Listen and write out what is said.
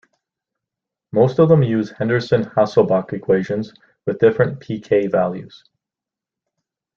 Most of them use Henderson-Hasselbalch equation with different pK values.